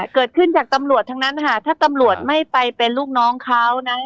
เกิดขึ้นจากตำรวจทั้งนั้นค่ะถ้าตำรวจไม่ไปเป็นลูกน้องเขานั้น